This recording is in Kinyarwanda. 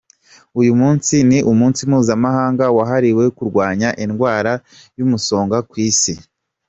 Uyu munsi ni umunsi mpuzamahanga wahariwe kurwanya indwara y’umusonga ku isi.